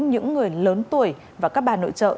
những người lớn tuổi và các bà nội trợ